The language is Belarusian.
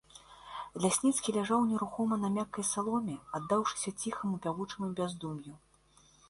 Лясніцкі ляжаў нерухома на мяккай саломе, аддаўшыся ціхаму пявучаму бяздум'ю.